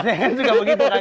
misalnya juga begitu kan